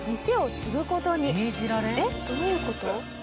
えっ？どういう事？